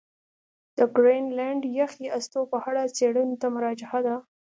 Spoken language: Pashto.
د ګرینلنډ یخي هستو په اړه څېړنو ته مراجعه ده.